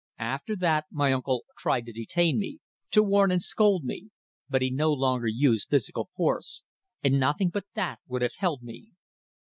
After that my uncle tried to detain me, to warn and scold me; but he no longer used physical force, and nothing but that would have held me.